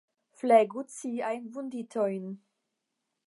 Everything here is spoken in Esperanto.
Flegu ciajn vunditojn.